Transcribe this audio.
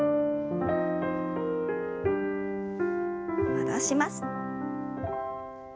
戻します。